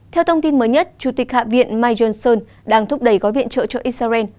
theo thông tin mới nhất chủ tịch hạ viện mike johnson đang thúc đẩy gói viện trợ cho israel